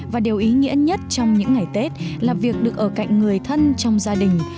và điều ý nghĩa nhất trong những ngày tết là việc được ở cạnh người thân trong gia đình